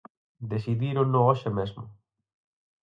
Decidírono hoxe mesmo